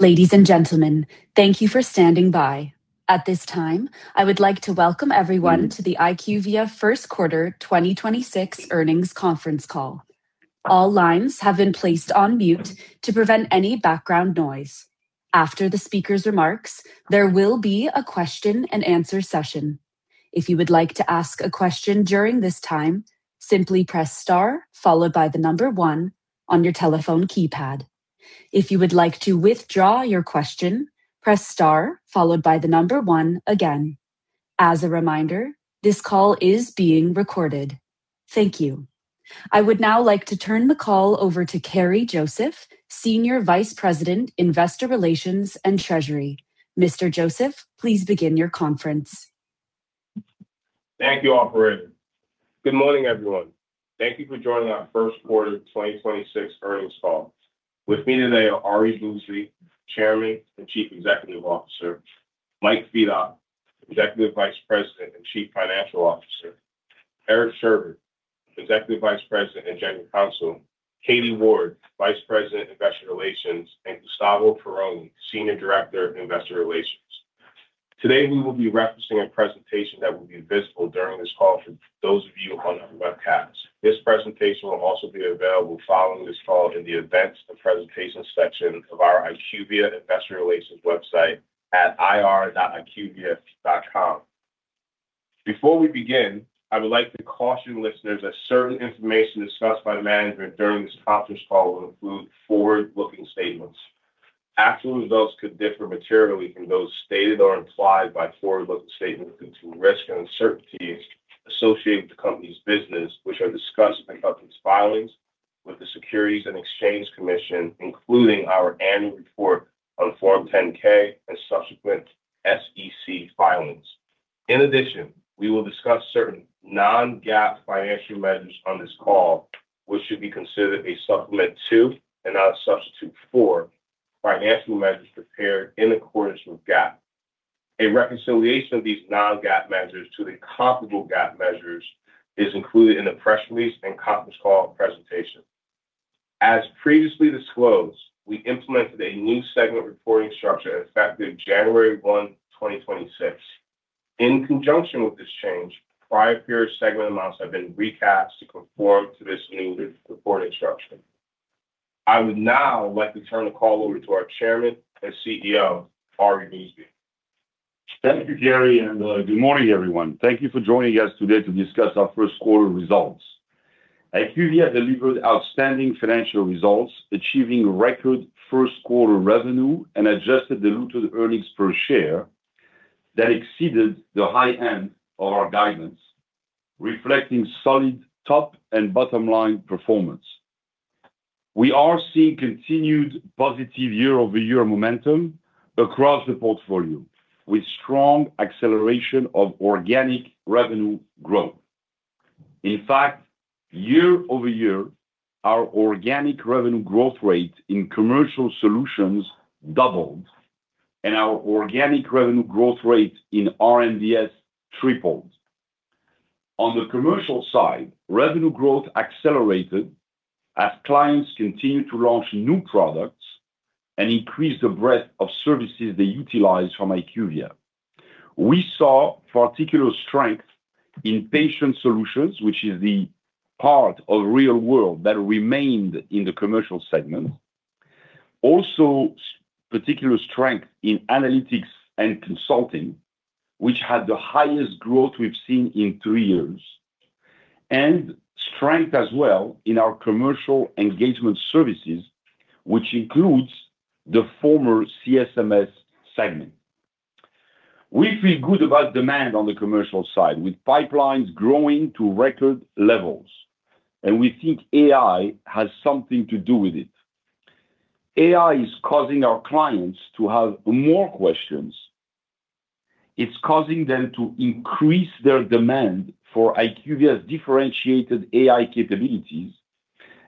Ladies and gentlemen, thank you for standing by. At this time, I would like to welcome everyone to the IQVIA first quarter 2026 earnings conference call. All lines have been placed on mute to prevent any background noise. After the speaker's remarks, there will be a question-and-answer session. If you would like to ask a question during this time, simply press star followed by one on your telephone keypad. If you would like to withdraw your question, press star followed by one again. As a reminder, this call is being recorded. Thank you. I would now like to turn the call over to Kerri Joseph, Senior Vice President, Investor Relations and Treasury. Mr. Joseph, please begin your conference. Thank you, operator. Good morning, everyone. Thank you for joining our first quarter 2026 earnings call. With me today are Ari Bousbib, Chairman and Chief Executive Officer; Mike Fedock, Executive Vice President and Chief Financial Officer; Eric Sherbet, Executive Vice President and General Counsel; Katie Ward, Vice President, Investor Relations; and Gustavo Perrone, Senior Director of Investor Relations. Today, we will be referencing a presentation that will be visible during this call for those of you on our webcast. This presentation will also be available following this call in the Events and Presentation section of our IQVIA Investor Relations website at ir.iqvia.com. Before we begin, I would like to caution listeners that certain information discussed by management during this conference call will include forward-looking statements. Actual results could differ materially from those stated or implied by forward-looking statements due to risks and uncertainties associated with the company's business, which are discussed in the company's filings with the Securities and Exchange Commission, including our annual report on Form 10-K and subsequent SEC filings. In addition, we will discuss certain non-GAAP financial measures on this call, which should be considered a supplement to, and not a substitute for, financial measures prepared in accordance with GAAP. A reconciliation of these non-GAAP measures to the comparable GAAP measures is included in the press release and conference call presentation. As previously disclosed, we implemented a new segment reporting structure effective January 1, 2026. In conjunction with this change, prior period segment amounts have been recast to conform to this new reporting structure. I would now like to turn the call over to our Chairman and CEO, Ari Bousbib. Thank you, Kerri, good morning, everyone. Thank you for joining us today to discuss our first quarter results. IQVIA delivered outstanding financial results, achieving record first-quarter revenue and adjusted diluted earnings per share that exceeded the high end of our guidance, reflecting solid top and bottom-line performance. We are seeing continued positive year-over-year momentum across the portfolio, with strong acceleration of organic revenue growth. In fact, year-over-year, our organic revenue growth rate in Commercial Solutions doubled, and our organic revenue growth rate in R&D tripled. On the commercial side, revenue growth accelerated as clients continued to launch new products and increase the breadth of services they utilize from IQVIA. We saw particular strength in Patient Solutions, which is the part of Real World that remained in the commercial segment. Also, particular strength in analytics and consulting, which had the highest growth we've seen in three years. Strength as well in our commercial engagement services, which includes the former CSMS segment. We feel good about demand on the commercial side, with pipelines growing to record levels, and we think AI has something to do with it. AI is causing our clients to have more questions. It's causing them to increase their demand for IQVIA's differentiated AI capabilities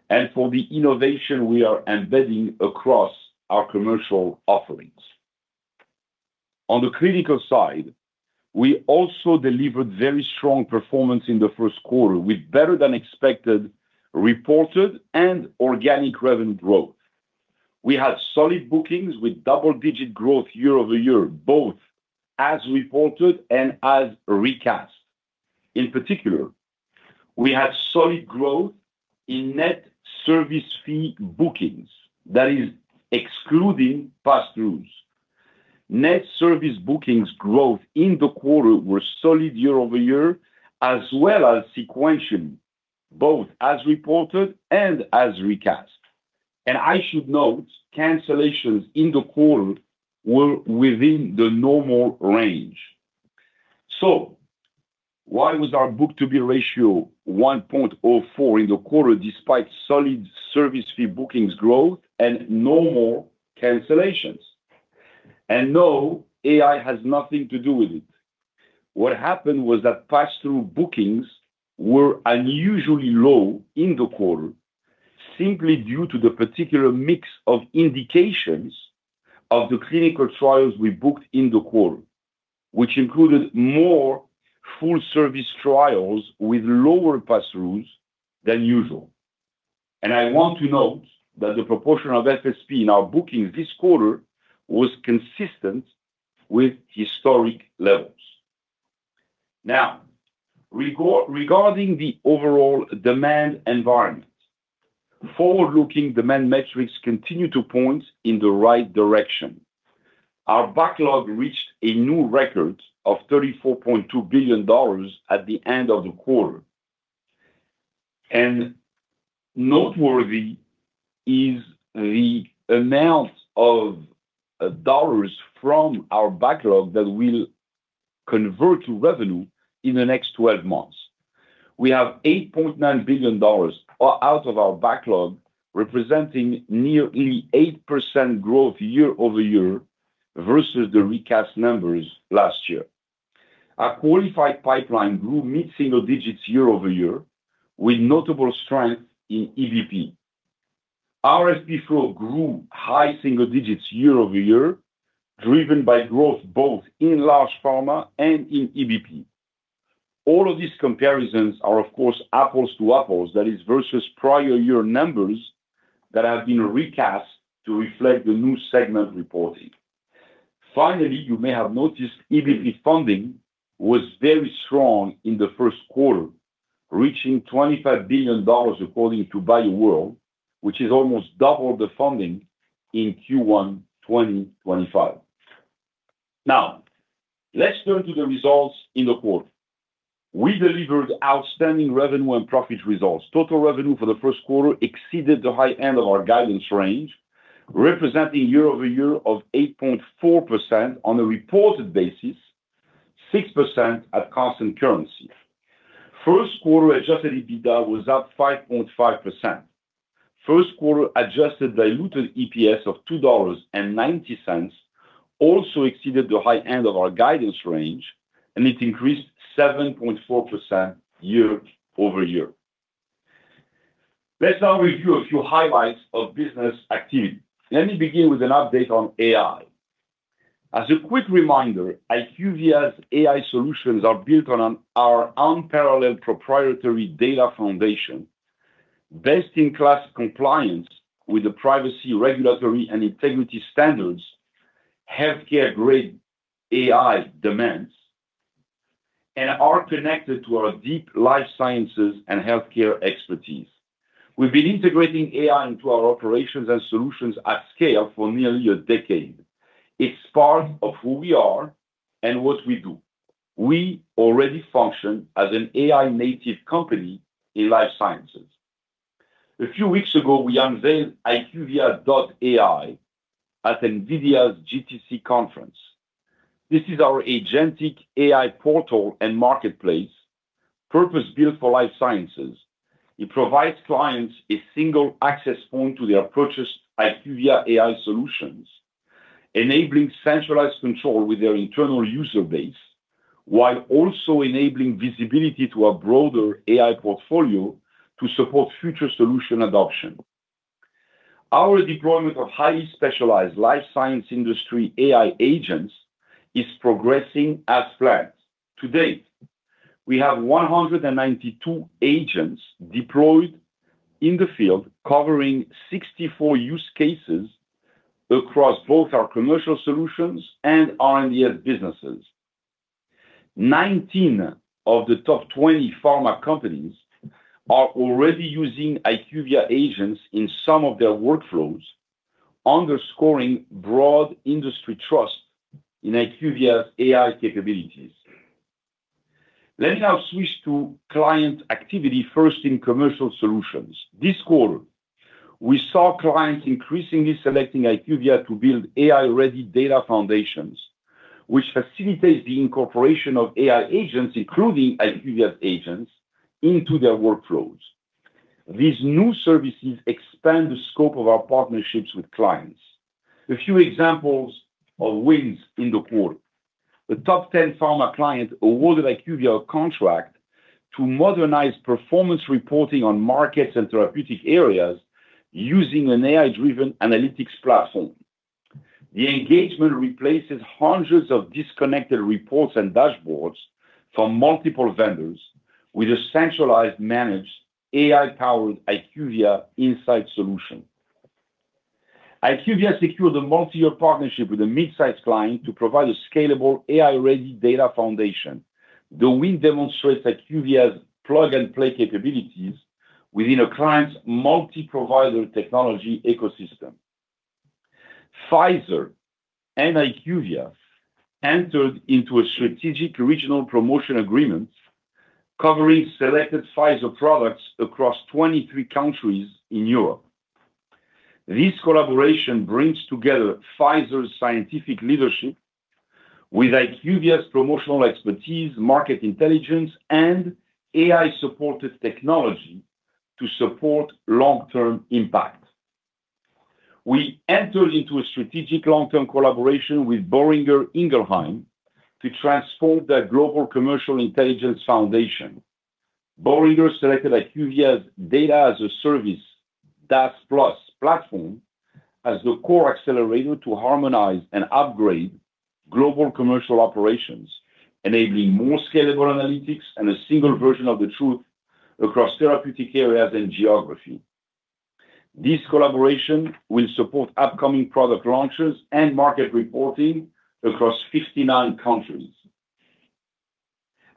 and for the innovation we are embedding across our commercial offerings. On the clinical side, we also delivered very strong performance in the first quarter, with better-than-expected reported and organic revenue growth. We had solid bookings with double-digit growth year-over-year, both as reported and as recast. In particular, we had solid growth in net service fee bookings, that is excluding passthroughs. Net service bookings growth in the quarter were solid year-over-year as well as sequentially, both as reported and as recast. I should note, cancellations in the quarter were within the normal range. Why was our book-to-bill ratio 1.04 in the quarter despite solid service fee bookings growth and normal cancellations? No, AI has nothing to do with it. What happened was that pass-through bookings were unusually low in the quarter simply due to the particular mix of indications of the clinical trials we booked in the quarter. Which included more full-service trials with lower pass-throughs than usual. I want to note that the proportion of FSP in our bookings this quarter was consistent with historic levels. Regarding the overall demand environment, forward-looking demand metrics continue to point in the right direction. Our backlog reached a new record of $34.2 billion at the end of the quarter. Noteworthy is the amount of dollars from our backlog that will convert to revenue in the next 12 months. We have $8.9 billion out of our backlog representing nearly 8% growth year-over-year versus the recast numbers last year. Our qualified pipeline grew mid-single digits year-over-year with notable strength in EVP. RFP flow grew high single digits year-over-year, driven by growth both in large pharma and in EVP. All of these comparisons are, of course, apples to apples, that is versus prior year numbers that have been recast to reflect the new segment reporting. Finally, you may have noticed EBIT funding was very strong in the first quarter, reaching $25 billion according to BioWorld, which is almost double the funding in Q1 2025. Let's turn to the results in the quarter. We delivered outstanding revenue and profit results. Total revenue for the first quarter exceeded the high end of our guidance range, representing year-over-year of 8.4% on a reported basis, 6% at constant currency. First quarter adjusted EBITDA was up 5.5%. First quarter adjusted diluted EPS of $2.90 also exceeded the high end of our guidance range, and it increased 7.4% year-over-year. Let's now review a few highlights of business activity. Let me begin with an update on AI. As a quick reminder, IQVIA's AI solutions are built on our unparalleled proprietary data foundation, best-in-class compliance with the privacy, regulatory, and integrity standards healthcare-grade AI demands, and are connected to our deep life sciences and healthcare expertise. We've been integrating AI into our operations and solutions at scale for nearly a decade. It's part of who we are and what we do. We already function as an AI-native company in life sciences. A few weeks ago, we unveiled IQVIA.ai at NVIDIA's GTC conference. This is our agentic AI portal and marketplace purpose-built for life sciences. It provides clients a single access point to their purchased IQVIA AI solutions, enabling centralized control with their internal user base, while also enabling visibility to a broader AI portfolio to support future solution adoption. Our deployment of highly specialized life science industry AI agents is progressing as planned. To date, we have 192 agents deployed in the field covering 64 use cases across both our Commercial Solutions and R&DS businesses. 19 of the top 20 pharma companies are already using IQVIA agents in some of their workflows, underscoring broad industry trust in IQVIA's AI capabilities. Let me now switch to client activity first in Commercial Solutions. This quarter, we saw clients increasingly selecting IQVIA to build AI-ready data foundations, which facilitates the incorporation of AI agents, including IQVIA's agents, into their workflows. These new services expand the scope of our partnerships with clients. A few examples of wins in the quarter. A top 10 pharma client awarded IQVIA a contract to modernize performance reporting on markets and therapeutic areas using an AI-driven analytics platform. The engagement replaces hundreds of disconnected reports and dashboards from multiple vendors with a centralized, managed, AI-powered IQVIA insight solution. IQVIA secured a multi-year partnership with a mid-sized client to provide a scalable AI-ready data foundation. The win demonstrates IQVIA's plug-and-play capabilities within a client's multi-provider technology ecosystem. Pfizer and IQVIA entered into a strategic regional promotion agreement covering selected Pfizer products across 23 countries in Europe. This collaboration brings together Pfizer's scientific leadership with IQVIA's promotional expertise, market intelligence, and AI-supported technology to support long-term impact. We entered into a strategic long-term collaboration with Boehringer Ingelheim to transform their global commercial intelligence foundation. Boehringer selected IQVIA's Data-as-a-Service, DaaS plus platform as the core accelerator to harmonize and upgrade global commercial operations, enabling more scalable analytics and a single version of the truth across therapeutic areas and geography. This collaboration will support upcoming product launches and market reporting across 59 countries.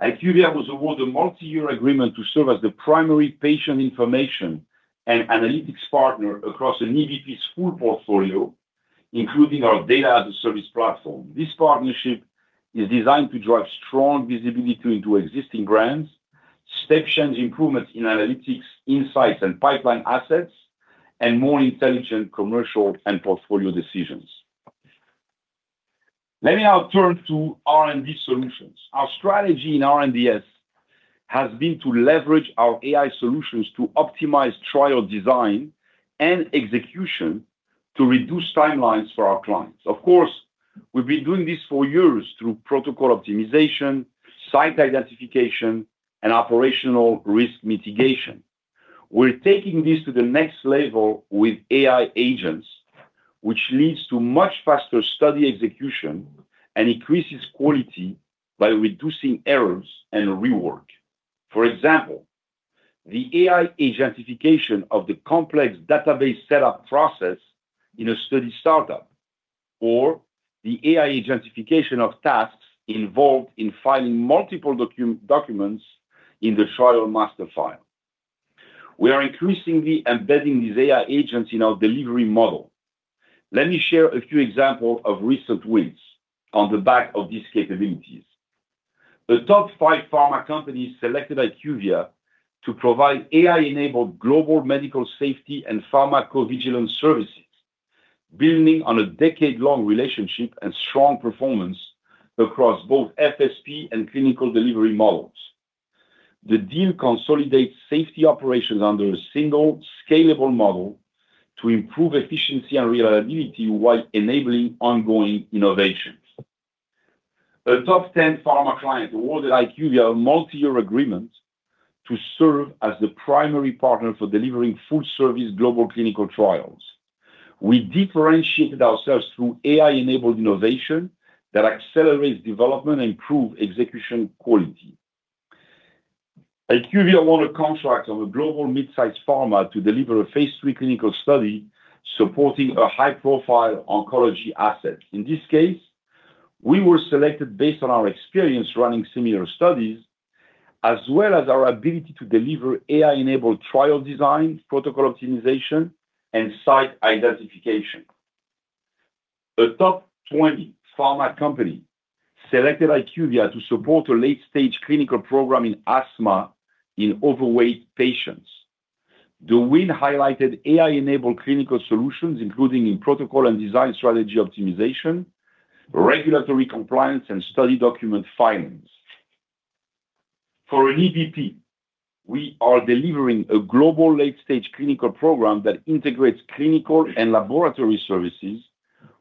IQVIA was awarded a multi-year agreement to serve as the primary patient information and analytics partner across an EVP's full portfolio, including our Data-as-a-Service platform. This partnership is designed to drive strong visibility into existing brands, step-change improvements in analytics, insights and pipeline assets, and more intelligent commercial and portfolio decisions. Let me now turn to R&D Solutions. Our strategy in R&DS has been to leverage our AI solutions to optimize trial design and execution to reduce timelines for our clients. Of course, we've been doing this for years through protocol optimization, site identification, and operational risk mitigation. We're taking this to the next level with AI agents, which leads to much faster study execution and increases quality by reducing errors and rework. For example, the AI agentification of the complex database setup process in a study startup, or the AI agentification of tasks involved in filing multiple documents in the trial master file. We are increasingly embedding these AI agents in our delivery model. Let me share a few examples of recent wins on the back of these capabilities. A top five pharma company selected IQVIA to provide AI-enabled global medical safety and pharmacovigilance services. Building on a decade-long relationship and strong performance across both FSP and clinical delivery models. The deal consolidates safety operations under a single scalable model to improve efficiency and reliability while enabling ongoing innovations. A top 10 pharma client awarded IQVIA a multi-year agreement to serve as the primary partner for delivering full-service global clinical trials. We differentiated ourselves through AI-enabled innovation that accelerates development and improve execution quality. IQVIA won a contract of a global mid-size pharma to deliver a phase III clinical study supporting a high-profile oncology asset. In this case, we were selected based on our experience running similar studies, as well as our ability to deliver AI-enabled trial design, protocol optimization, and site identification. A top 20 pharma company selected IQVIA to support a late-stage clinical program in asthma in overweight patients. The win highlighted AI-enabled clinical solutions, including in protocol and design strategy optimization, regulatory compliance, and study document filings. For an EVP, we are delivering a global late-stage clinical program that integrates clinical and laboratory services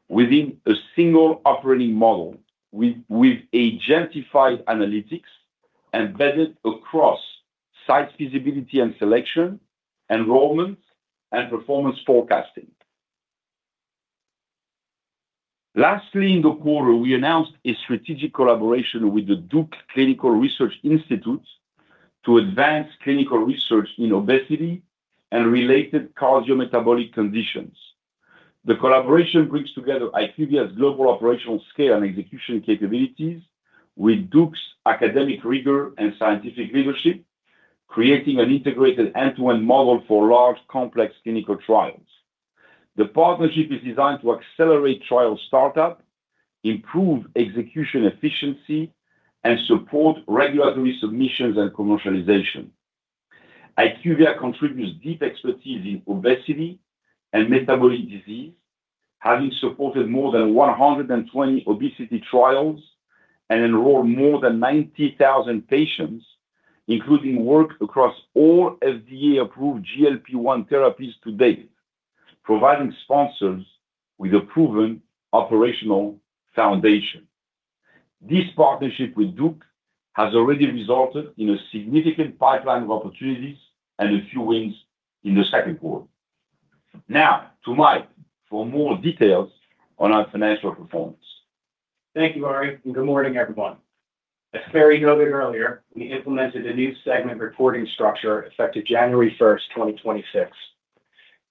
within a single operating model with agentified analytics embedded across site feasibility and selection, enrollment, and performance forecasting. Lastly, in the quarter, we announced a strategic collaboration with the Duke Clinical Research Institute to advance clinical research in obesity and related cardiometabolic conditions. The collaboration brings together IQVIA's global operational scale and execution capabilities with Duke's academic rigor and scientific leadership, creating an integrated end-to-end model for large, complex clinical trials. The partnership is designed to accelerate trial startup, improve execution efficiency, and support regulatory submissions and commercialization. IQVIA contributes deep expertise in obesity and metabolic disease, having supported more than 120 obesity trials and enrolled more than 90,000 patients, including work across all FDA-approved GLP-1 therapies to date, providing sponsors with a proven operational foundation. This partnership with Duke has already resulted in a significant pipeline of opportunities and a few wins in the second quarter. Now to Mike for more details on our financial performance. Thank you, Ari, good morning, everyone. As Ari noted earlier, we implemented a new segment reporting structure effective January 1st, 2026.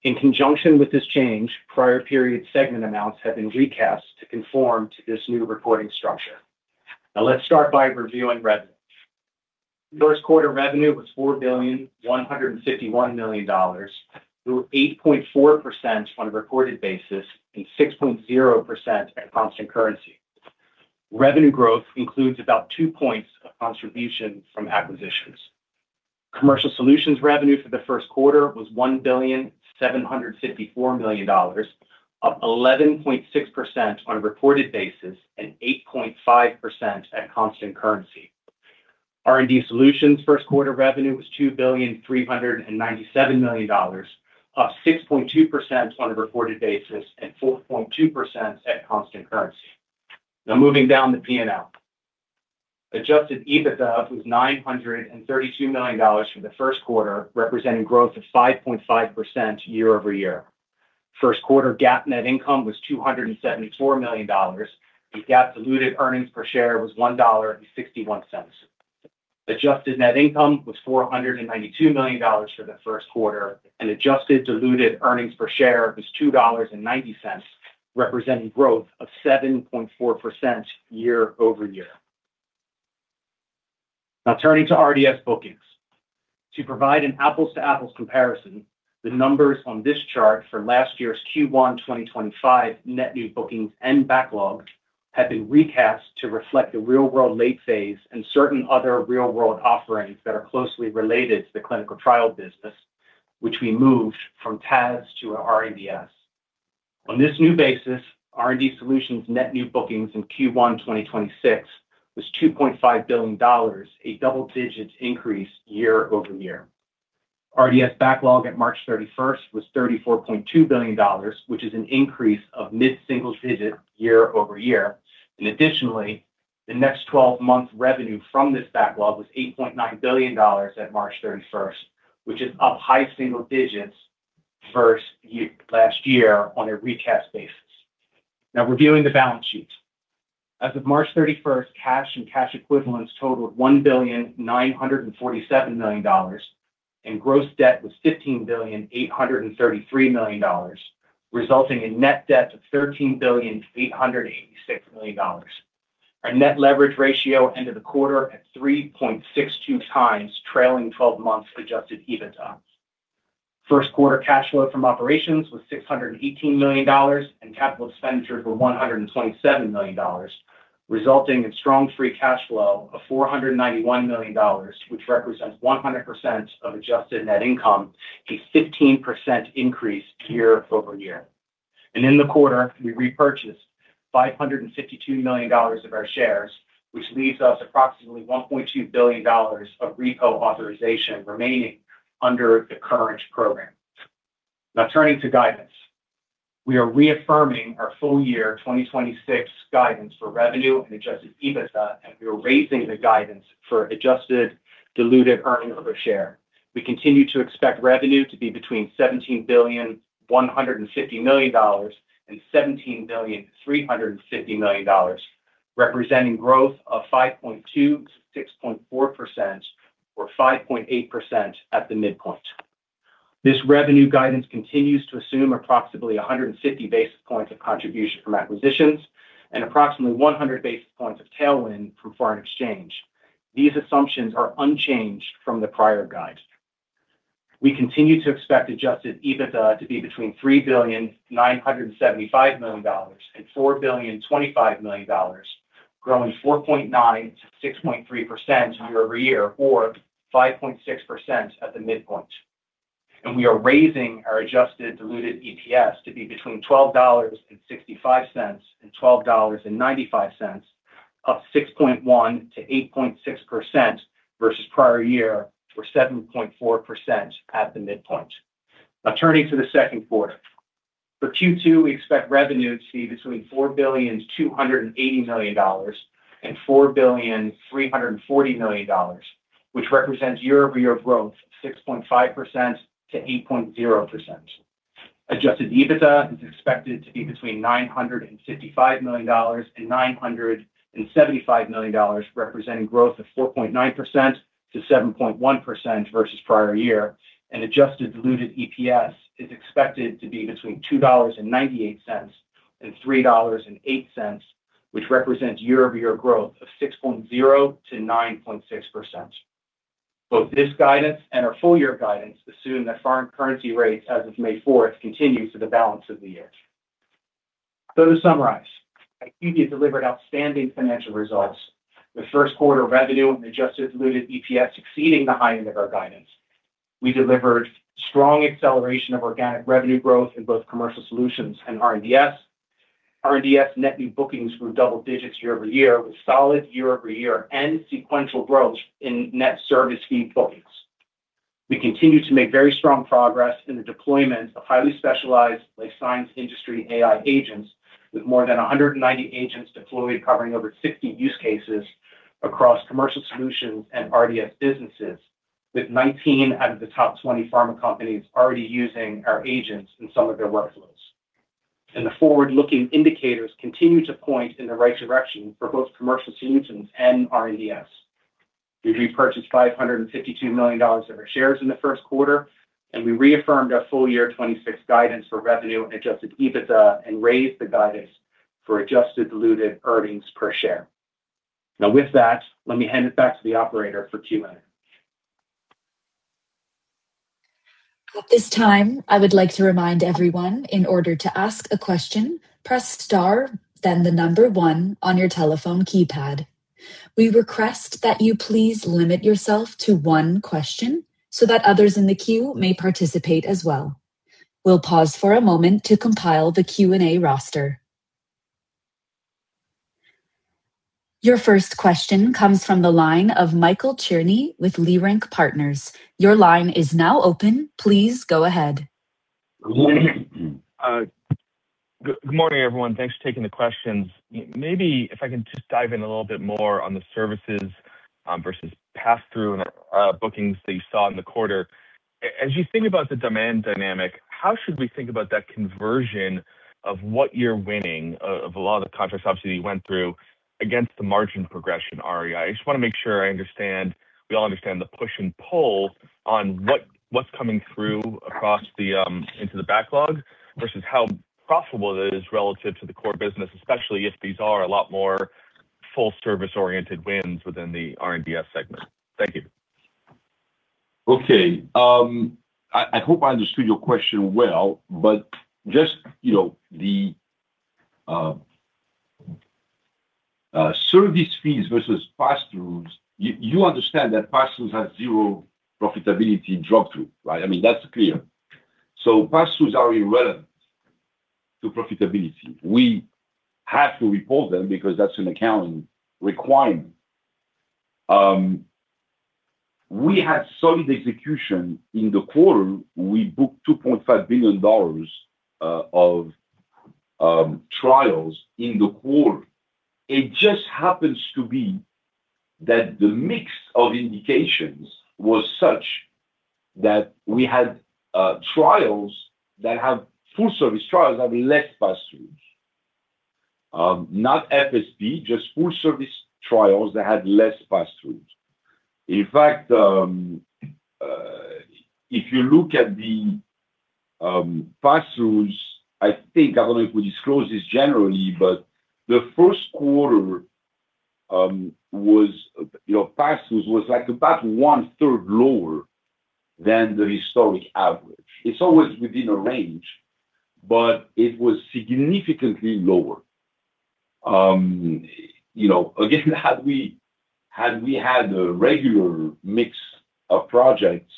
In conjunction with this change, prior period segment amounts have been recast to conform to this new reporting structure. Let's start by reviewing revenue. First quarter revenue was $4.151 billion, through 8.4% on a reported basis and 6.0% at constant currency. Revenue growth includes about two points of contribution from acquisitions. Commercial Solutions revenue for the first quarter was $1.754 billion, up 11.6% on a reported basis and 8.5% at constant currency. R&D Solutions first quarter revenue was $2,397 million, up 6.2% on a reported basis and 4.2% at constant currency. Moving down the P&L. Adjusted EBITDA was $932 million for the first quarter, representing growth of 5.5% year-over-year. First quarter GAAP net income was $274 million, and GAAP diluted earnings per share was $1.61. Adjusted net income was $492 million for the first quarter, and adjusted diluted earnings per share was $2.90, representing growth of 7.4% year-over-year. Turning to R&DS bookings. To provide an apples-to-apples comparison, the numbers on this chart for last year's Q1 2025 net new bookings and backlog have been recast to reflect the Real World late phase and certain other Real World offerings that are closely related to the clinical trial business, which we moved from TAS to R&DS. On this new basis, R&D Solutions net new bookings in Q1 2026 was $2.5 billion, a double-digit increase year-over-year. R&DS backlog at March 31st was $34.2 billion, which is an increase of mid-single digit year-over-year. Additionally, the next 12-month revenue from this backlog was $8.9 billion at March 31st, which is up high single digits last year on a recast basis. Now reviewing the balance sheet. As of March 31st, cash and cash equivalents totaled $1.947 billion, and gross debt was $15.833 billion, resulting in net debt of $13.886 billion. Our net leverage ratio ended the quarter at 3.62 times trailing 12 months adjusted EBITDA. First quarter cash flow from operations was $618 million, and capital expenditures were $127 million, resulting in strong free cash flow of $491 million, which represents 100% of adjusted net income, a 15% increase year-over-year. In the quarter, we repurchased $552 million of our shares, which leaves us approximately $1.2 billion of repo authorization remaining under the current program. Now turning to guidance. We are reaffirming our full-year 2026 guidance for revenue and adjusted EBITDA. We are raising the guidance for adjusted diluted earnings per share. We continue to expect revenue to be between $17.15 billion and $17.35 billion, representing growth of 5.2%-6.4% or 5.8% at the midpoint. This revenue guidance continues to assume approximately 150 basis points of contribution from acquisitions and approximately 100 basis points of tailwind from foreign exchange. These assumptions are unchanged from the prior guide. We continue to expect adjusted EBITDA to be between $3.975 billion and $4.025 billion, growing 4.9%-6.3% year-over-year, or 5.6% at the midpoint. We are raising our adjusted diluted EPS to be between $12.65 and $12.95, up 6.1%-8.6% versus prior year, or 7.4% at the midpoint. Turning to the second quarter. For Q2, we expect revenue to be between $4.28 billion and $4.34 billion, which represents year-over-year growth 6.5%-8.0%. Adjusted EBITDA is expected to be between $955 million and $975 million, representing growth of 4.9%-7.1% versus prior year. Adjusted diluted EPS is expected to be between $2.98 and $3.08, which represents year-over-year growth of 6.0%-9.6%. Both this guidance and our full-year guidance assume that foreign currency rates as of May fourth continue to the balance of the year. To summarize, IQVIA delivered outstanding financial results. The first quarter revenue and adjusted diluted EPS exceeding the high end of our guidance. We delivered strong acceleration of organic revenue growth in both Commercial Solutions and R&DS. R&DS net new bookings grew double-digits year-over-year with solid year-over-year and sequential growth in net service fee bookings. We continue to make very strong progress in the deployment of highly specialized life science industry AI agents with more than 190 agents deployed covering over 60 use cases across Commercial Solutions and R&DS businesses, with 19 out of the top 20 pharma companies already using our agents in some of their workflows. The forward-looking indicators continue to point in the right direction for both Commercial Solutions and R&DS. We repurchased $552 million of our shares in the first quarter, and we reaffirmed our full year 2026 guidance for revenue and adjusted EBITDA and raised the guidance for adjusted diluted earnings per share. Now with that, let me hand it back to the operator for Q&A. Your first question comes from the line of Michael Cherny with Leerink Partners. Your line is now open. Please go ahead. Good morning, everyone. Thanks for taking the questions. Maybe if I can just dive in a little bit more on the services versus pass-through and bookings that you saw in the quarter. As you think about the demand dynamic, how should we think about that conversion of what you're winning of a lot of the contracts obviously you went through against the margin progression, Ari? I just wanna make sure I understand we all understand the push and pull on what's coming through across the into the backlog versus how profitable it is relative to the core business, especially if these are a lot more full service-oriented wins within the R&DS segment. Thank you. Okay. I hope I understood your question well, just, you know, the service fees versus pass-throughs, you understand that pass-throughs have zero profitability drop-through, right? I mean, that's clear. Pass-throughs are irrelevant to profitability. We have to report them because that's an accounting requirement. We had solid execution in the quarter. We booked $2.5 billion of trials in the quarter. It just happens to be that the mix of indications was such that we had full-service trials have less pass-throughs. Not FSP, just full-service trials that had less pass-throughs. In fact, if you look at the pass-throughs, I think, I don't know if we disclose this generally, the first quarter was, you know, pass-throughs was like about one-third lower than the historic average. It's always within a range, but it was significantly lower. You know, again, had we had a regular mix of projects,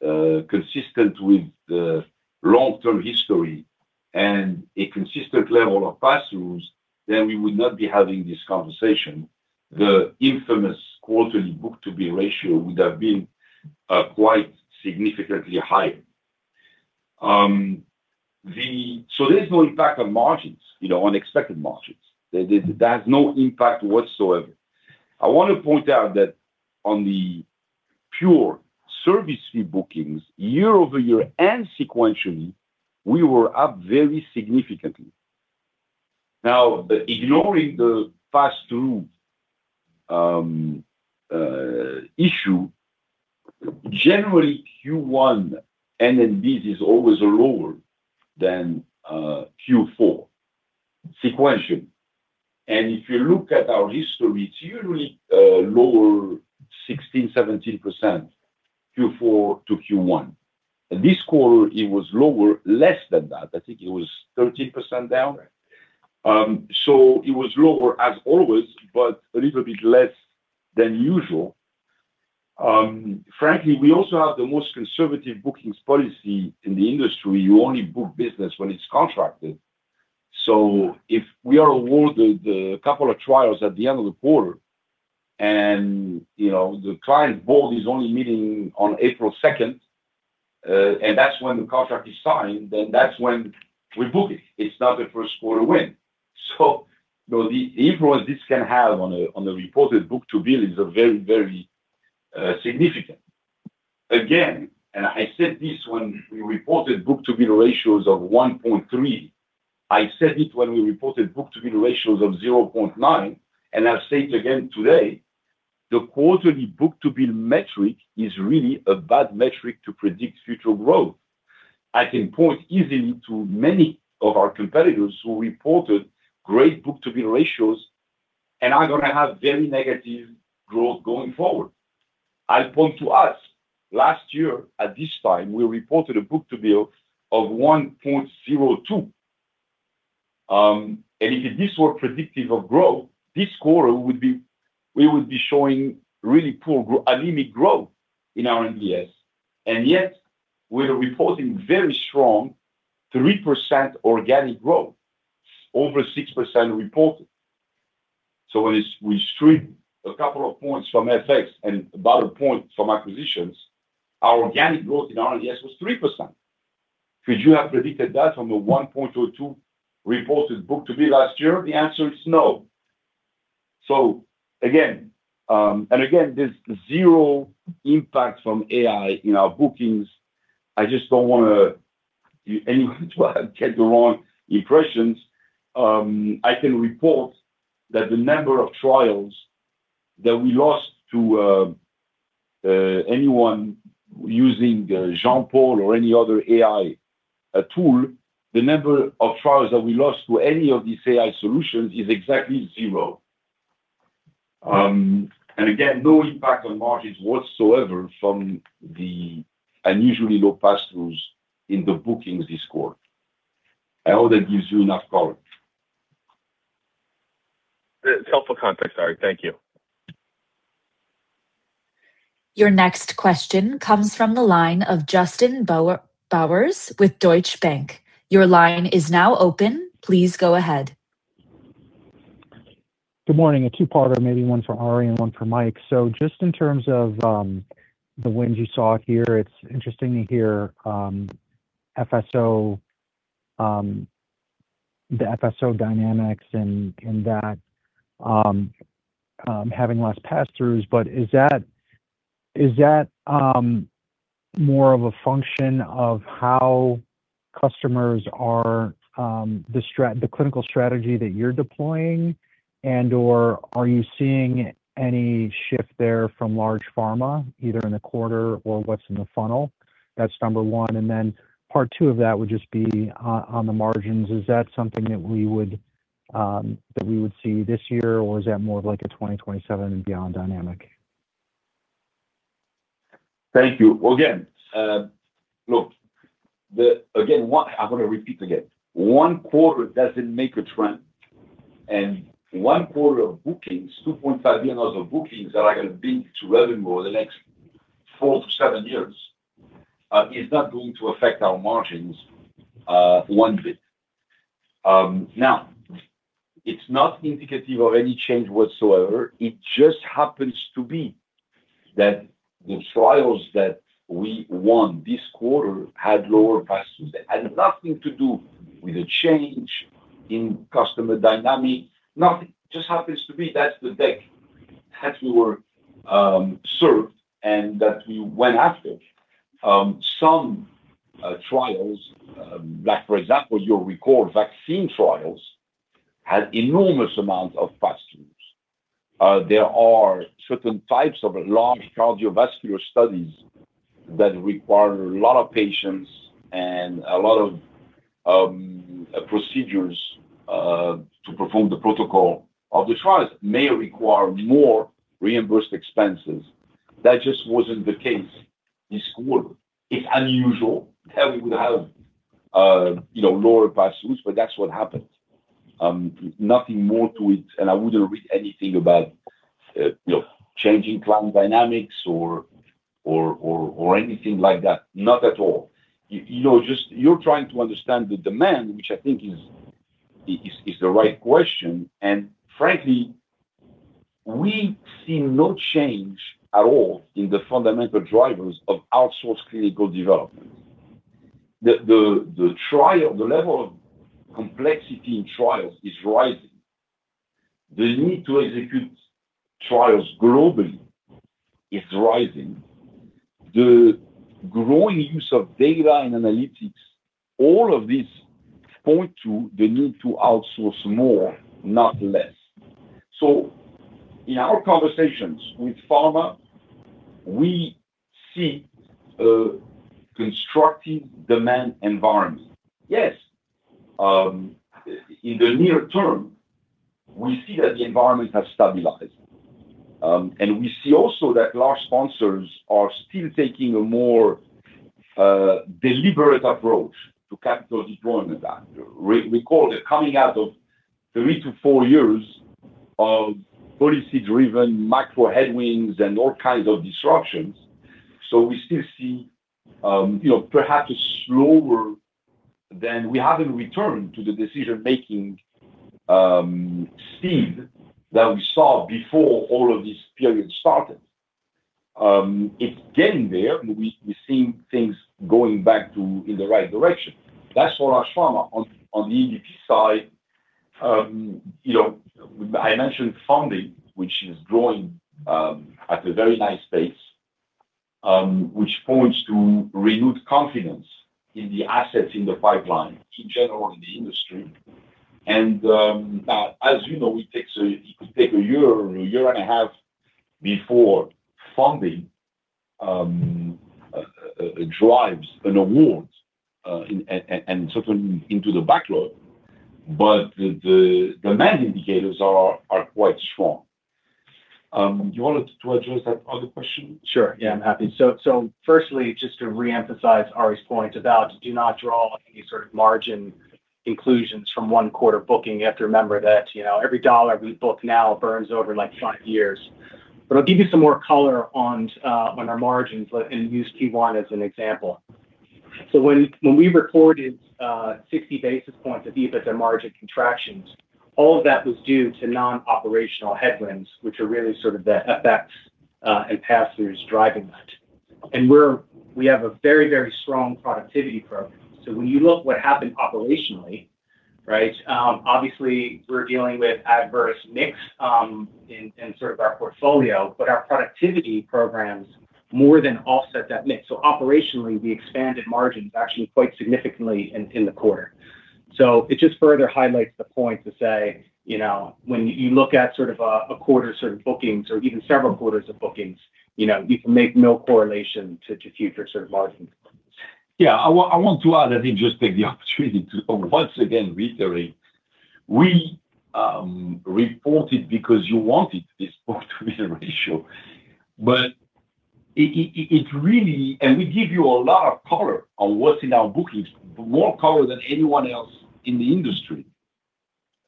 consistent with the long-term history and a consistent level of pass-throughs, we would not be having this conversation. The infamous quarterly book-to-bill ratio would have been quite significantly higher. There's no impact on margins, you know, unexpected margins. There's no impact whatsoever. I want to point out that on the pure service fee bookings, year-over-year and sequentially, we were up very significantly. Now, ignoring the pass-through issue, generally, Q1 NNB is always lower than Q4 sequentially. If you look at our history, it's usually lower 16%-17% Q4 to Q1. In this quarter, it was lower, less than that. I think it was 13% down. It was lower as always, but a little bit less than usual. Frankly, we also have the most conservative bookings policy in the industry. You only book business when it's contracted. If we are awarded a couple of trials at the end of the quarter, and, you know, the client board is only meeting on April 2nd, and that's when the contract is signed, then that's when we book it. It's not the 1st quarter win. The influence this can have on a reported book-to-bill is a very significant. Again, and I said this when we reported book-to-bill ratios of 1.3, I said it when we reported book-to-bill ratios of 0.9, and I'll say it again today. The quarterly book-to-bill metric is really a bad metric to predict future growth. I can point easily to many of our competitors who reported great book-to-bill ratios and are gonna have very negative growth going forward. I point to us. Last year at this time, we reported a book-to-bill of 1.02. If this were predictive of growth, this quarter we would be showing really poor anemic growth in our R&DS. Yet, we're reporting very strong 3% organic growth, over 6% reported. When we strip a couple of points from FX and about a point from acquisitions, our organic growth in R&DS was 3%. Could you have predicted that from a 1.02 reported book-to-bill last year? The answer is no. Again, and again, there's zero impact from AI in our bookings. I just don't want anyone to get the wrong impressions. I can report that the number of trials that we lost to anyone using Jean-Paul or any other AI tool, the number of trials that we lost to any of these AI solutions is exactly zero. Again, no impact on margins whatsoever from the unusually low pass-throughs in the bookings this quarter. I hope that gives you enough coverage. It's helpful context, Ari. Thank you. Your next question comes from the line of Justin Bowers with Deutsche Bank. Your line is now open. Please go ahead. Good morning. A two-parter, maybe one for Ari and one for Mike. Just in terms of the wins you saw here, it's interesting to hear FSO, the FSO dynamics and that having less pass-throughs. Is that more of a function of how customers are the clinical strategy that you're deploying? And/or are you seeing any shift there from large pharma, either in the quarter or what's in the funnel? That's number one. Part two of that would just be on the margins. Is that something that we would that we would see this year, or is that more of like a 2027 and beyond dynamic? Thank you. Again, look, Again, I'm gonna repeat again. One quarter doesn't make a trend. One quarter of bookings, $2.5 billion of bookings that are gonna be to revenue over the next four to seven years, is not going to affect our margins, one bit. Now, it's not indicative of any change whatsoever. It just happens to be that the trials that we won this quarter had lower pass-throughs. It had nothing to do with a change in customer dynamic. Nothing. Just happens to be that's the deck that we were served and that we went after. Some trials, like for example, you'll recall vaccine trials had enormous amounts of pass-throughs. There are certain types of large cardiovascular studies that require a lot of patients and a lot of procedures to perform the protocol of the trials, may require more reimbursed expenses. That just wasn't the case this quarter. It's unusual that we would have, you know, lower pass-throughs, but that's what happened. Nothing more to it, and I wouldn't read anything about, you know, changing client dynamics or anything like that. Not at all. You know, you're trying to understand the demand, which I think is the right question. Frankly, we see no change at all in the fundamental drivers of outsourced clinical development. The level of complexity in trials is rising. The need to execute trials globally is rising. The growing use of data and analytics, all of these point to the need to outsource more, not less. In our conversations with pharma, we see a constructive demand environment. Yes, in the near term, we see that the environment has stabilized. We see also that large sponsors are still taking a more deliberate approach to capital deployment than. Recall, they're coming out of three to four years of policy-driven macro headwinds and all kinds of disruptions. We still see, you know, We haven't returned to the decision-making speed that we saw before all of this period started. It's getting there. We're seeing things going back to in the right direction. That's for large pharma. On the EVP side, you know, I mentioned funding, which is growing at a very nice pace, which points to renewed confidence in the assets in the pipeline in general in the industry. As you know, it could take a year or a year and a half before funding drives an award, and certainly into the backlog. The demand indicators are quite strong. You wanted to address that other question? Sure. Yeah, I'm happy. Firstly, just to re-emphasize Ari's point about do not draw any sort of margin conclusions from one quarter booking. You have to remember that, you know, every dollar we book now burns over, like, five years. I'll give you some more color on our margins and use Q1 as an example. When we recorded 60 basis points of EBITDA and margin contractions, all of that was due to non-operational headwinds, which are really sort of the effects and pass-throughs driving that. We have a very strong productivity program. When you look what happened operationally, right, obviously, we're dealing with adverse mix in sort of our portfolio, but our productivity programs more than offset that mix. Operationally, we expanded margins actually quite significantly in the quarter. It just further highlights the point to say, you know, when you look at sort of a quarter sort of bookings or even several quarters of bookings, you know, you can make no correlation to future sort of margins. I want to add, I think, just take the opportunity to once again reiterate. We reported because you wanted this book-to-bill ratio. We give you a lot of color on what's in our bookings, more color than anyone else in the industry.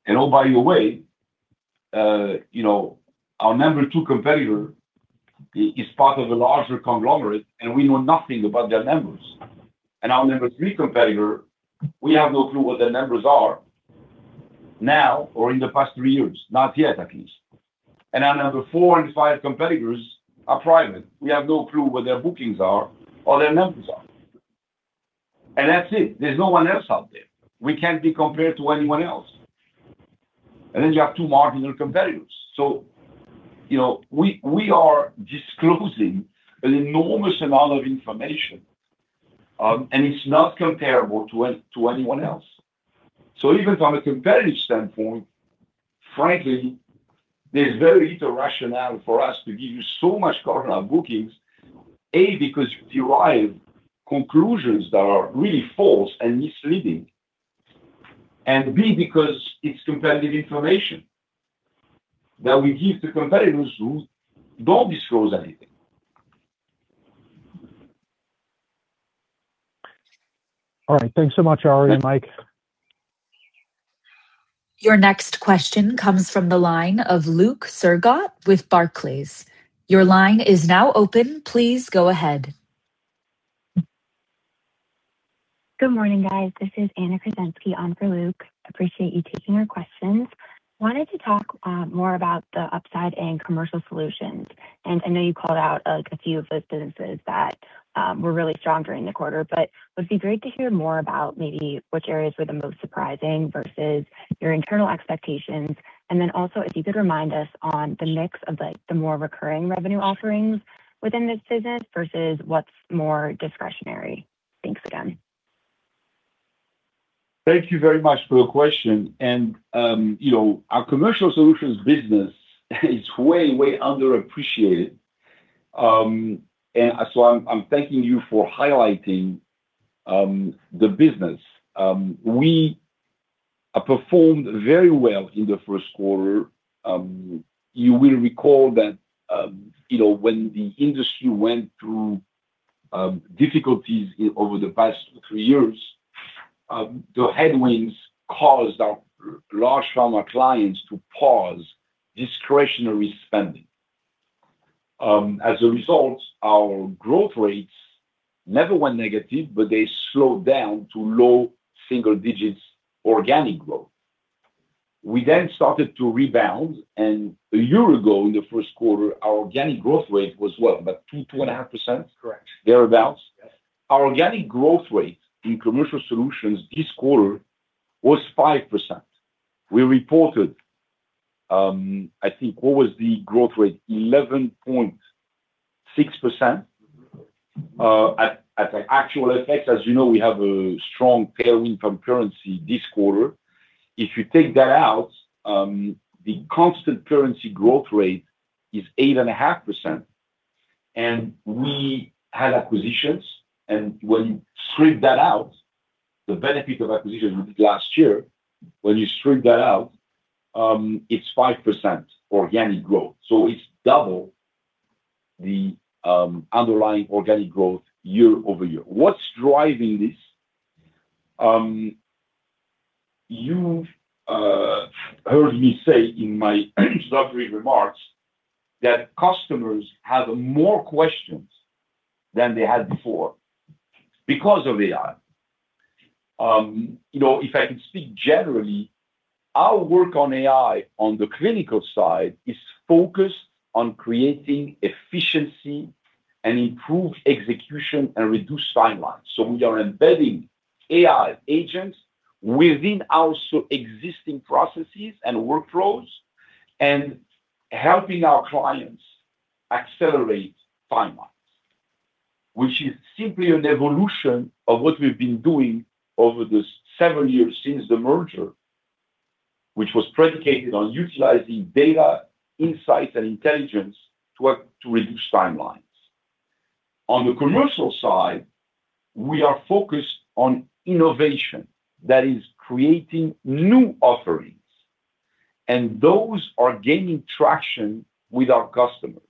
Oh, by the way, you know, our number two competitor is part of a larger conglomerate, and we know nothing about their numbers. Our number three competitor, we have no clue what their numbers are now or in the past three years. Not yet, at least. Our number four and five competitors are private. We have no clue what their bookings are or their numbers are. That's it. There's no one else out there. We can't be compared to anyone else. You have two marginal competitors. You know, we are disclosing an enormous amount of information, and it's not comparable to anyone else. Even from a competitive standpoint, frankly, there's very little rationale for us to give you so much color on bookings, A, because you derive conclusions that are really false and misleading, and B, because it's competitive information that we give to competitors who don't disclose anything. All right. Thanks so much, Ari and Mike. Your next question comes from the line of Luke Sergott with Barclays. Your line is now open. Please go ahead. Good morning, guys. This is Anna Kruszenski on for Luke. Appreciate you taking our questions. Wanted to talk more about the upside and Commercial Solutions, and I know you called out, like, a few of the businesses that were really strong during the quarter. It would be great to hear more about maybe which areas were the most surprising versus your internal expectations. Also, if you could remind us on the mix of, like, the more recurring revenue offerings within this business versus what's more discretionary. Thanks again. Thank you very much for your question. You know, our Commercial Solutions business is way underappreciated. I'm thanking you for highlighting the business. We performed very well in the first quarter. You will recall that, you know, when the industry went through difficulties over the past three years, the headwinds caused our large pharma clients to pause discretionary spending. As a result, our growth rates never went negative, but they slowed down to low single-digits organic growth. We then started to rebound, and a year ago, in the first quarter, our organic growth rate was, what, about 2.5%? Correct. Thereabouts. Yes. Our organic growth rate in Commercial Solutions this quarter was 5%. We reported, I think, what was the growth rate? 11.6% at actual effects. As you know, we have a strong tailwind from currency this quarter. If you take that out, the constant currency growth rate is 8.5%. We had acquisitions, and when you strip that out, the benefit of acquisitions we did last year, it's 5% organic growth. It's double the underlying organic growth year-over-year. What's driving this? You've heard me say in my introductory remarks that customers have more questions than they had before because of AI. You know, if I can speak generally, our work on AI on the clinical side is focused on creating efficiency and improved execution and reduced timelines. We are embedding AI agents within our existing processes and workflows and helping our clients accelerate timelines, which is simply an evolution of what we've been doing over the seven years since the merger, which was predicated on utilizing data, insights, and intelligence to reduce timelines. On the Commercial side, we are focused on innovation that is creating new offerings, and those are gaining traction with our customers.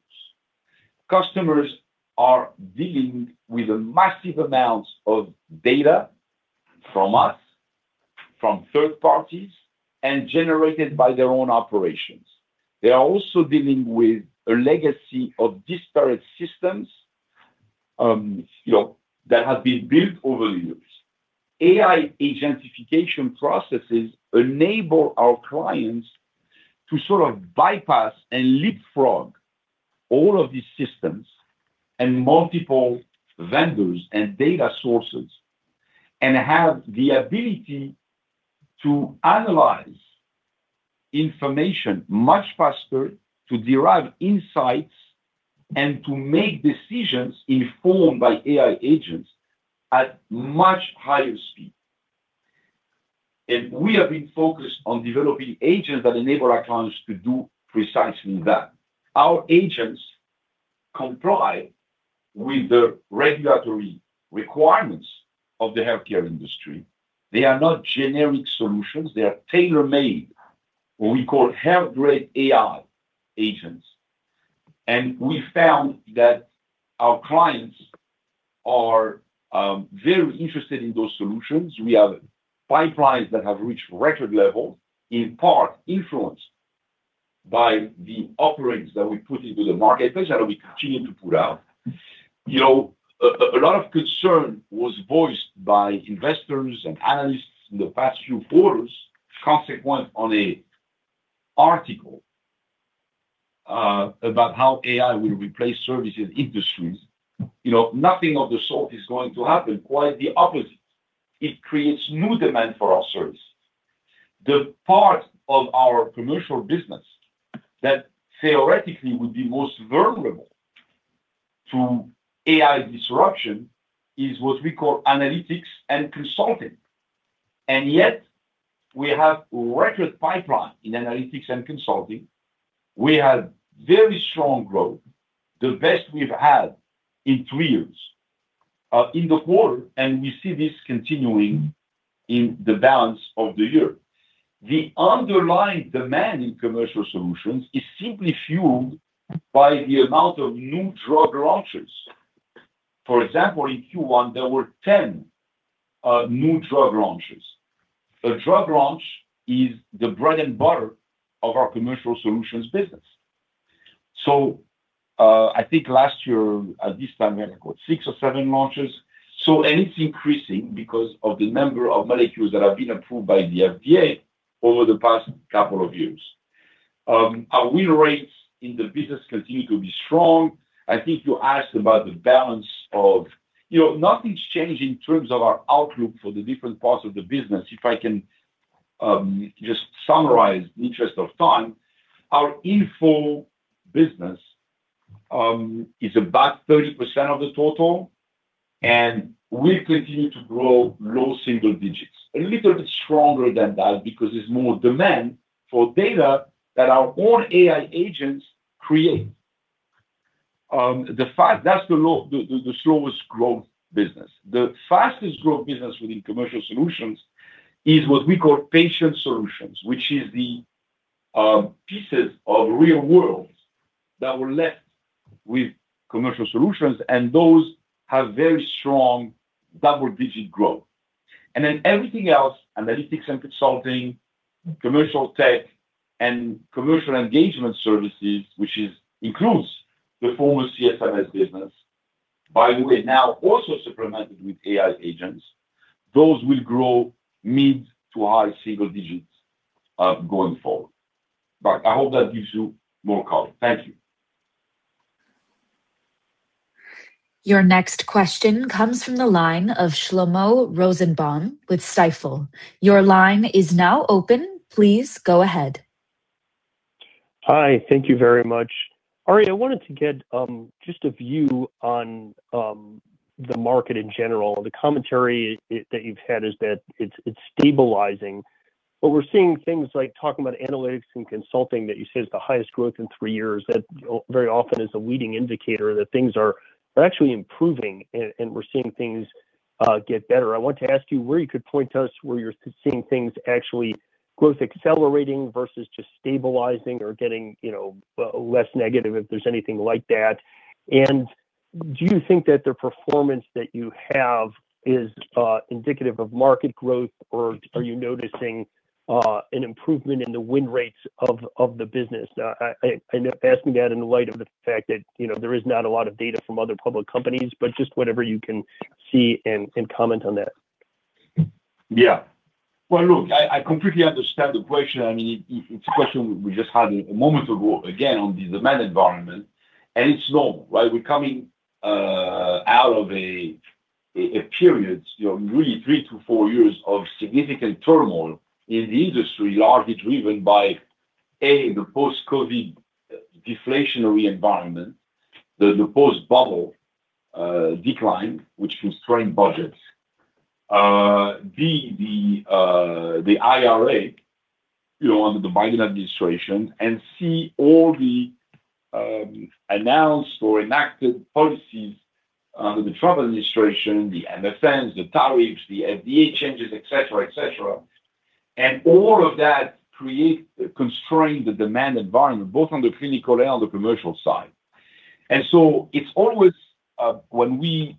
Customers are dealing with massive amounts of data from us, from third parties, and generated by their own operations. They are also dealing with a legacy of disparate systems, you know, that have been built over the years. AI agentification processes enable our clients to sort of bypass and leapfrog all of these systems and multiple vendors and data sources, and have the ability to analyze information much faster, to derive insights, and to make decisions informed by AI agents at much higher speed. We have been focused on developing agents that enable our clients to do precisely that. Our agents comply with the regulatory requirements of the healthcare industry. They are not generic solutions. They are tailor-made, what we call health-grade AI agents. We found that our clients are very interested in those solutions. We have pipelines that have reached record levels, in part influenced by the offerings that we put into the marketplace that we continue to put out. You know, a lot of concern was voiced by investors and analysts in the past few quarters consequent on a article about how AI will replace services industries. You know, nothing of the sort is going to happen. Quite the opposite. It creates new demand for our service. The part of our commercial business that theoretically would be most vulnerable to AI disruption is what we call analytics and consulting. Yet we have record pipeline in analytics and consulting. We had very strong growth, the best we've had in three years in the quarter, we see this continuing in the balance of the year. The underlying demand in Commercial Solutions is simply fueled by the amount of new drug launches. For example, in Q1, there were 10 new drug launches. A drug launch is the bread and butter of our Commercial Solutions business. I think last year at this time, we had about six or seven launches. It's increasing because of the number of molecules that have been approved by the FDA over the past two years. Our win rates in the business continue to be strong. I think you asked about the balance of. You know, nothing's changed in terms of our outlook for the different parts of the business. If I can just summarize in the interest of time. Our info business is about 30% of the total, and will continue to grow low single digits. A little bit stronger than that because there's more demand for data that our own AI agents create. That's the slowest-growth business. The fastest-growth business within Commercial Solutions is what we call Patient Solutions, which is the pieces of Real World that were left with Commercial Solutions, and those have very strong double-digit growth. Everything else, analytics and consulting, commercial tech and commercial engagement services, which includes the former CSMS business, by the way, now also supplemented with AI agents. Those will grow mid to high single digits going forward. I hope that gives you more color. Thank you. Your next question comes from the line of Shlomo Rosenbaum with Stifel. Your line is now open. Please go ahead. Hi. Thank you very much. Ari, I wanted to get just a view on the market in general. The commentary that you've had is that it's stabilizing, but we're seeing things like talking about analytics and consulting that you said is the highest growth in three years. That very often is a leading indicator that things are actually improving and we're seeing things get better. I want to ask you where you could point to us where you're seeing things actually growth accelerating versus just stabilizing or getting, you know, less negative, if there's anything like that. Do you think that the performance that you have is indicative of market growth, or are you noticing an improvement in the win rates of the business? I end up asking that in light of the fact that, you know, there is not a lot of data from other public companies, but just whatever you can see and comment on that. Yeah. Well, look, I completely understand the question. I mean, it's a question we just had a moment ago again on the demand environment, and it's normal, right? We're coming out of a period, you know, really three to four years of significant turmoil in the industry, largely driven by, A, the post-COVID deflationary environment. The post-bubble decline, which constrained budgets. B, the IRA, you know, under the Biden administration. C, all the announced or enacted policies under the Trump administration, the NFS, the tariffs, the FDA changes, et cetera, et cetera. All of that constrained the demand environment both on the clinical and on the commercial side. It's always, when we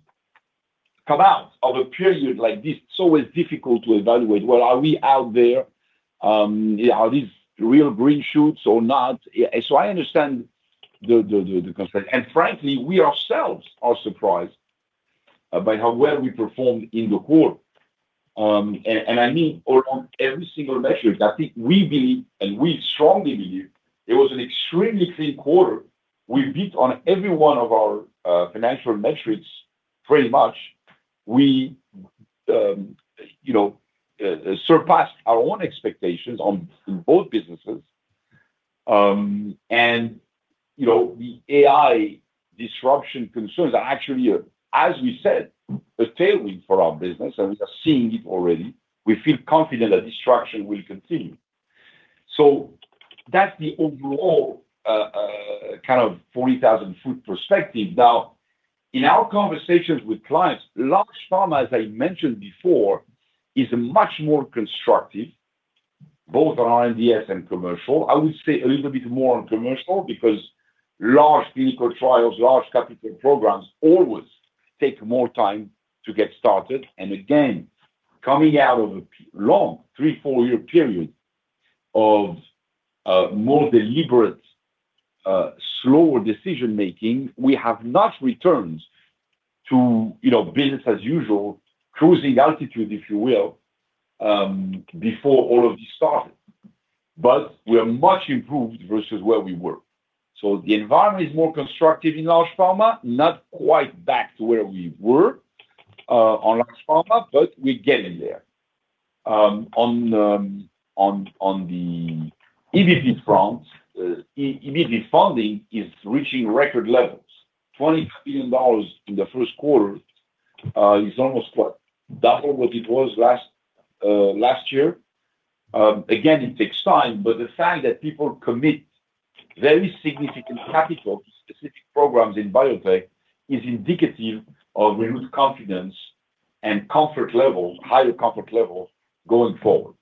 come out of a period like this, it's always difficult to evaluate, well, are we out there? Are these real green shoots or not? I understand the, the concern. Frankly, we ourselves are surprised about how well we performed in the quarter. I mean on every single measure. I think we believe, and we strongly believe it was an extremely clean quarter. We beat on every one of our financial metrics pretty much. We, you know, surpassed our own expectations in both businesses. You know, the AI disruption concerns are actually, as we said, a tailwind for our business, and we are seeing it already. We feel confident that disruption will continue. That's the overall kind of 40,000 foot perspective. Now, in our conversations with clients, large pharma, as I mentioned before, is much more constructive, both on R&DS and Commercial. I would say a little bit more on commercial because large clinical trials, large capital programs always take more time to get started. Again, coming out of a long three, four-year period of a more deliberate, slower decision-making, we have not returned to, you know, business as usual, cruising altitude, if you will, before all of this started. We are much improved versus where we were. The environment is more constructive in large pharma, not quite back to where we were on large pharma, but we're getting there. On the EVP front, EVP funding is reaching record levels. $20 billion in the first quarter is almost, what, double what it was last year. Again, it takes time, but the fact that people commit very significant capital to specific programs in biotech is indicative of renewed confidence and comfort level, higher comfort level going forward.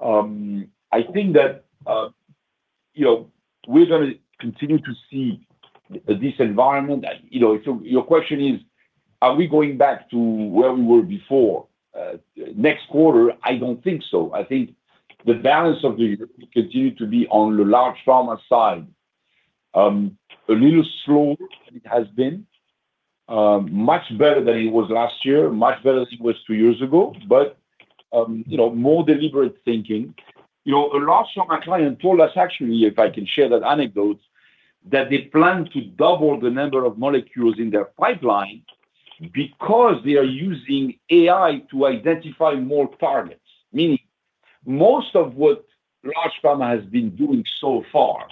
I think that, you know, we're gonna continue to see this environment. If your question is, are we going back to where we were before next quarter? I don't think so. I think the balance of the year will continue to be on the large pharma side. A little slower than it has been, much better than it was last year, much better than it was two years ago. More deliberate thinking. You know, a large pharma client told us, actually, if I can share that anecdote, that they plan to double the number of molecules in their pipeline because they are using AI to identify more targets. Meaning, most of what large pharma has been doing so far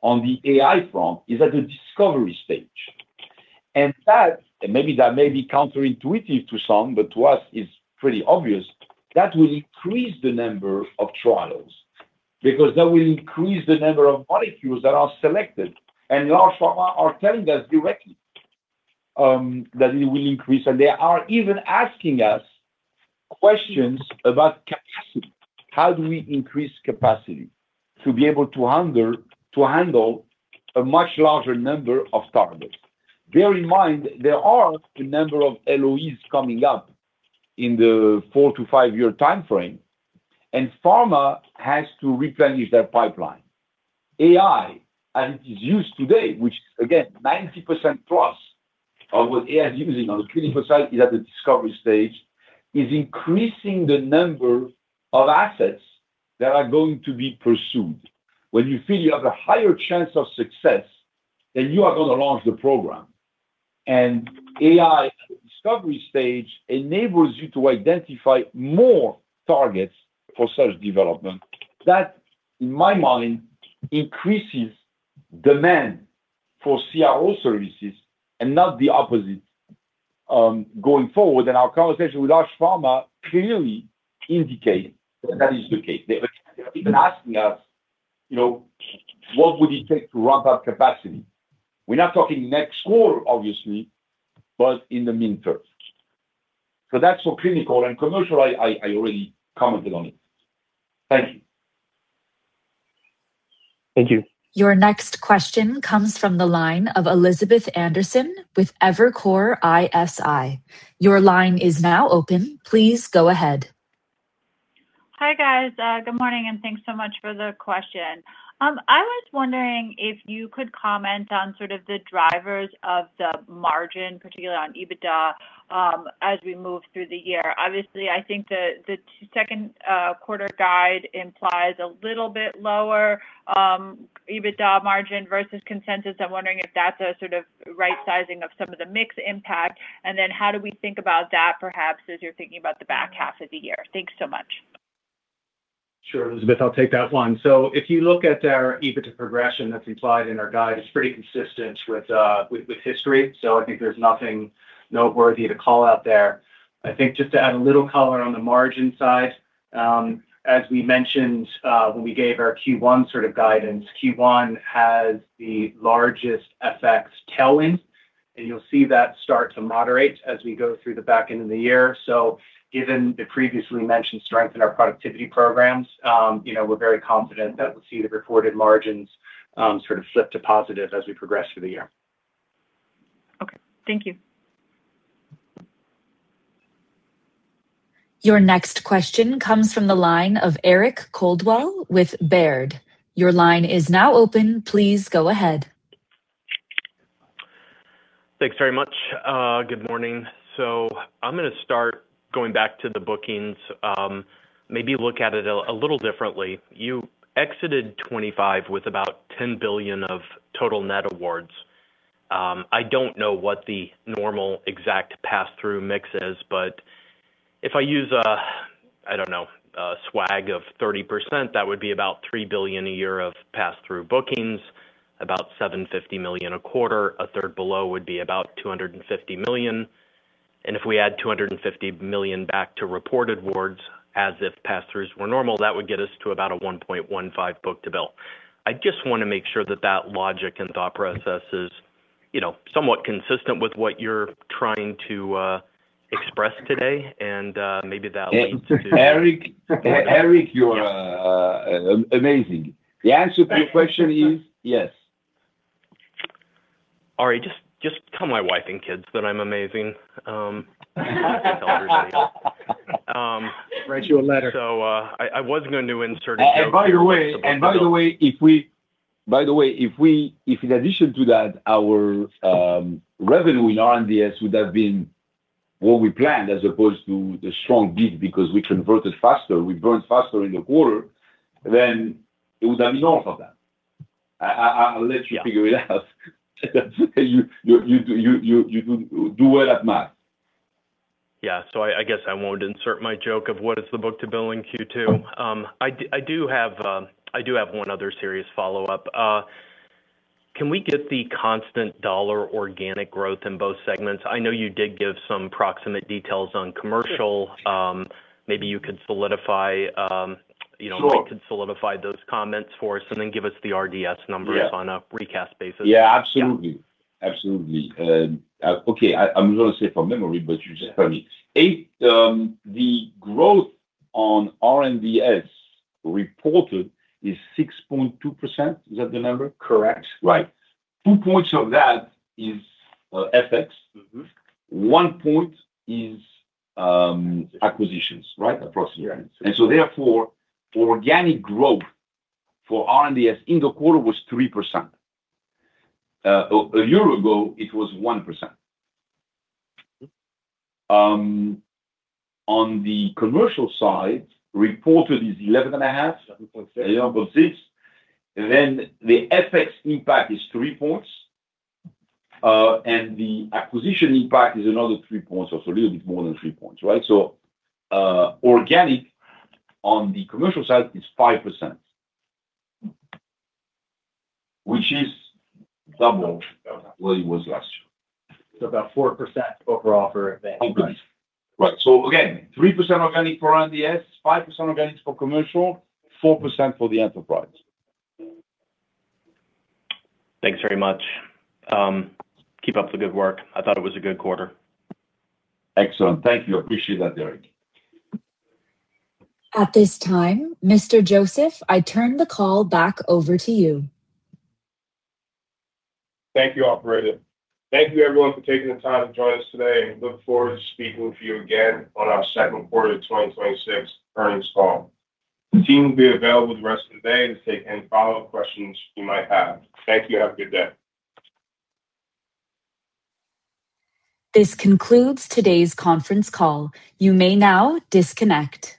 on the AI front is at the discovery stage. That, and maybe that may be counterintuitive to some, but to us, it's pretty obvious that will increase the number of trials because that will increase the number of molecules that are selected. Large pharma are telling us directly that it will increase. They are even asking us questions about capacity. How do we increase capacity to be able to handle a much larger number of targets? Bear in mind, there are a number of LOEs coming up in the four-five-year timeframe, and pharma has to replenish their pipeline. AI, as it is used today, which again, 90%+ of what AI is using on the clinical side is at the discovery stage, is increasing the number of assets that are going to be pursued. When you feel you have a higher chance of success, then you are gonna launch the program. AI at the discovery stage enables you to identify more targets for such development. That, in my mind, increases demand for CRO services and not the opposite, going forward. Our conversation with large pharma clearly indicate that that is the case. They're even asking us, you know, "What would it take to ramp up capacity?" We're not talking next quarter, obviously, but in the midterm. That's for clinical and commercial, I already commented on it. Thank you. Thank you. Your next question comes from the line of Elizabeth Anderson with Evercore ISI. Your line is now open. Please go ahead. Hi, guys. Good morning, thanks so much for the question. I was wondering if you could comment on sort of the drivers of the margin, particularly on EBITDA, as we move through the year. Obviously, I think the second quarter guide implies a little bit lower, EBITDA margin versus consensus. I'm wondering if that's a sort of right-sizing of some of the mix impact, how do we think about that perhaps as you're thinking about the back half of the year? Thanks so much. Sure, Elizabeth. I'll take that one. If you look at our EBITDA progression that's implied in our guide, it's pretty consistent with history. I think there's nothing noteworthy to call out there. Just to add a little color on the margin side, as we mentioned, when we gave our Q1 sort of guidance, Q1 has the largest FX tailwind, and you'll see that start to moderate as we go through the back end of the year. Given the previously mentioned strength in our productivity programs, you know, we're very confident that we'll see the reported margins sort of flip to positive as we progress through the year. Okay. Thank you. Your next question comes from the line of Eric Coldwell with Baird. Thanks very much. Good morning. I'm gonna start going back to the bookings, maybe look at it a little differently. You exited 25 with about $10 billion of total net awards. I don't know what the normal exact passthrough mix is, but if I use a, I don't know, a swag of 30%, that would be about $3 billion a year of passthrough bookings, about $750 million a quarter. A third below would be about $250 million. If we add $250 million back to reported awards as if passthroughs were normal, that would get us to about a 1.15 book-to-bill. I just want to make sure that that logic and thought process is, you know, somewhat consistent with what you're trying to express today, and maybe that leads to. Eric, you're amazing. The answer to your question is yes. All right, just tell my wife and kids that I'm amazing. Write you a letter. I was gonna insert a joke here. By the way, if in addition to that our revenue in R&DS would have been what we planned as opposed to the strong beat because we converted faster, we burned faster in the quarter, then it would have been north of that. I'll let you figure it out. You do well at math. I guess I won't insert my joke of what is the book-to-bill in Q2. I do have one other serious follow-up. Can we get the constant dollar organic growth in both segments? I know you did give some proximate details on commercial. Maybe you could solidify, you know. Sure you could solidify those comments for us and then give us the R&DS numbers. Yeah on a recast basis. Yeah, absolutely. Yeah. Absolutely. Okay, I'm gonna say from memory, but you just heard me. 8, the growth on R&DS reported is 6.2%. Is that the number? Correct. Right. Two points of that is FX. One point is, acquisitions, right? Across. Yeah. Therefore, organic growth for R&DS in the quarter was 3%. A year ago, it was 1%. On the commercial side, reported is 11.5%. 11.6. 11.6. The FX impact is three points. The acquisition impact is another three points or so, a little bit more than three points, right? Organic on the commercial side is 5%, which is double what it was last year. About 4% over advanced. Right. Again, 3% organic for R&DS, 5% organic for Commercial, 4% for the enterprise. Thanks very much. Keep up the good work. I thought it was a good quarter. Excellent. Thank you. Appreciate that, Eric. At this time, Mr. Joseph, I turn the call back over to you. Thank you, operator. Thank you, everyone for taking the time to join us today, and look forward to speaking with you again on our second quarter 2026 earnings call. The team will be available the rest of the day to take any follow-up questions you might have. Thank you. Have a good day. This concludes today's conference call. You may now disconnect.